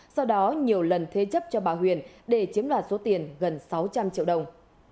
sau đó nhiều lần thế chấp cho bà huyền để chiếm đoạt số tiền gần sáu trăm linh triệu đồng